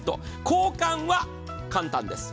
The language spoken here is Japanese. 交換は簡単です。